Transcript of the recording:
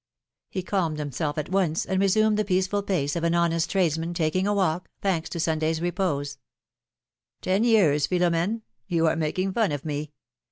He calmed himself at once, and reassumed the peaceful pace of an honest tradesman taking a walk, thanks to Sunday's repose. ^^Ten years, Philom^ne! you are making fun of me!